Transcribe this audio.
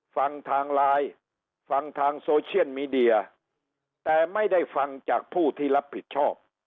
ฟังทางไลน์ฟังทางโซเชียลมีเดียแต่ไม่ได้ฟังจากผู้ที่รับผิดชอบ